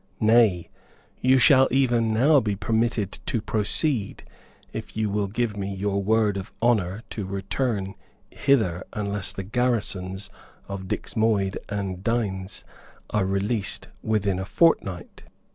Nay, you shall even now be permitted to proceed if you will give me your word of honour to return hither unless the garrisons of Dixmuyde and Deynse are released within a fortnight."